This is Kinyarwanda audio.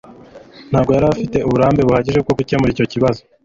ntabwo yari afite uburambe buhagije bwo gukemura icyo kibazo